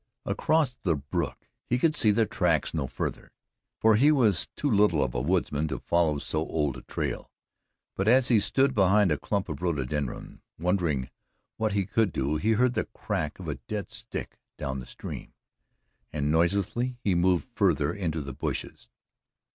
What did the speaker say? Across the brook he could see the tracks no farther, for he was too little of a woodsman to follow so old a trail, but as he stood behind a clump of rhododendron, wondering what he could do, he heard the crack of a dead stick down the stream, and noiselessly he moved farther into the bushes.